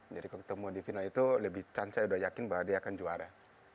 jadi ketemu di final itu lebih chance saya udah yakin bahwa dia akan juara